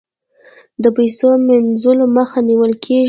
د پیسو مینځلو مخه نیول کیږي